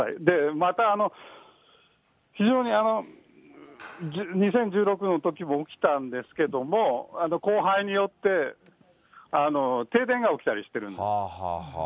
また、非常に、２０１６のときも起きたんですけれども、降灰によって停電が起きたりしてるんです。